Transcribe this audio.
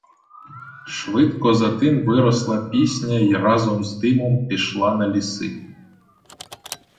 Швидко за тим виросла пісня й разом з димом пішла на ліси.